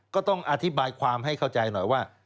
ก็ต้องอธิบายความให้เข้าใจหน่อยว่า